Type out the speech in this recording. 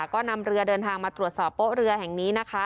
ก็นำเรือเดินทางมาตรวจสอบโป๊ะเรือแห่งนี้นะคะ